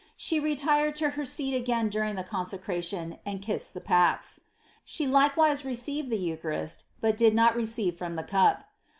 She retired to her seat again during the consecration and kissed the pax.* She likewise received the eucharist, but did not rrceive from the cup.'